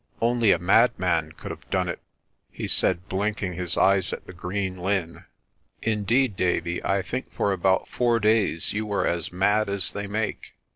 "Only a madman could have done it," he said, blinking his eyes at the green linn. "Indeed, Davie, I think for about four days you were as mad as they make.